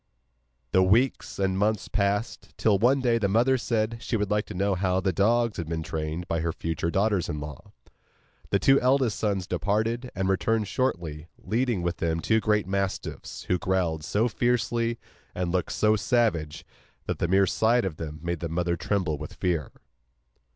The weeks and months passed, till one day the mother said she would like to see how the dogs had been trained by her future daughters in law. The two eldest sons departed, and returned shortly, leading with them two great mastiffs, who growled so fiercely, and looked so savage, that the mere sight of them made the mother tremble with fear.